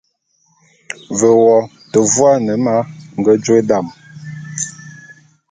Ve wo te vuane ma nge jôe dam.